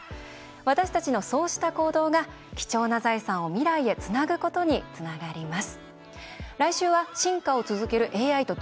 私たちのそうした行動が貴重な財産を未来へ、つなぐことにつながります。